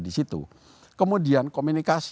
di situ kemudian komunikasi